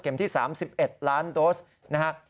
เข็มที่๓๑๑ล้านโดสนะฮะ